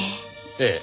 ええ。